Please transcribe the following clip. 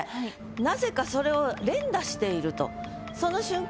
なぜかそれを連打していると。